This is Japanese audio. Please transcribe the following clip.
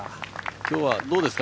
今日はどうですか？